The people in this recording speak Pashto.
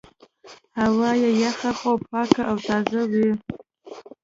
هوا یې یخه خو پاکه او تازه وه.